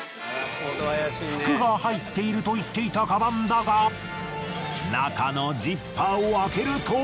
服が入っていると言っていたカバンだが中のジッパーを開けると。